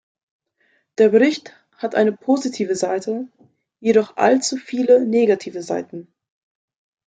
Der Bericht hat eine positive Seite, jedoch allzu viele negative Seiten.